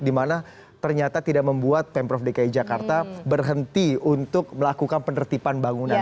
dimana ternyata tidak membuat pemprov dki jakarta berhenti untuk melakukan penertiban bangunan